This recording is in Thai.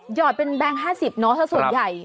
อดเป็นแบงค์๕๐เนอะถ้าส่วนใหญ่